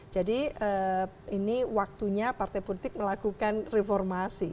jadi ini waktunya partai politik melakukan reformasi